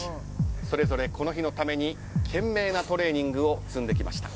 それぞれこの日のために懸命なトレーニングを積んできました。